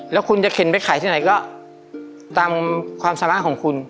แล้วคุณจะเข็นไปขายที่ไหนก็ตามความสามารถของคุณ